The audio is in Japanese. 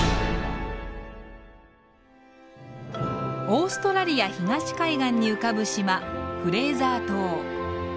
オーストラリア東海岸に浮かぶ島フレーザー島。